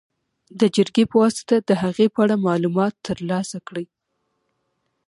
د جرګې په واسطه د هغې په اړه معلومات تر لاسه کړي.